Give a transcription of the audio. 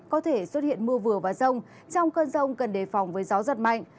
có thể xuất hiện mưa vừa và rông trong cơn rông cần đề phòng với gió giật mạnh